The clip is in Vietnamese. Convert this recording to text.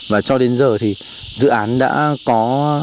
và cho đến giờ thì dự án đã có